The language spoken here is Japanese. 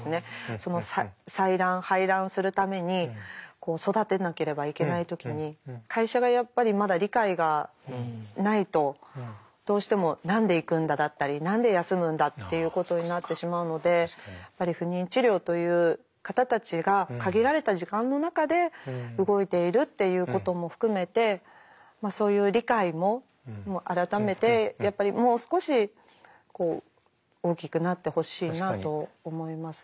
その採卵排卵するために育てなければいけない時に会社がやっぱりまだ理解がないとどうしても「何で行くんだ」だったり「何で休むんだ」っていうことになってしまうのでやっぱり不妊治療という方たちが限られた時間の中で動いているっていうことも含めてそういう理解も改めてやっぱりもう少し大きくなってほしいなと思いますね。